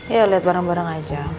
ya lihat bareng bareng aja